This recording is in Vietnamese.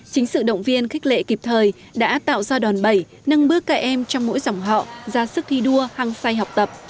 chính sự động viên khách lệ kịp thời đã tạo do đòn bảy nâng bước các em trong mỗi dòng họ ra sức thi đua hăng say học tập